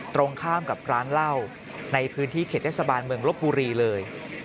ตรงข้ามกับร้านเหล้าในพื้นที่เขตเทศบาลเมืองลบบุรีเลย